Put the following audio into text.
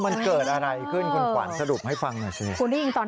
มันเกิดอะไรขึ้นคุณขวัญสรุปให้ฟังหน่อยสิคุณได้ยินตอน